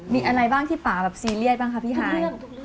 มีอะไรบ้างที่ป่าแบบซีเรียสบ้างคะพี่ฮาย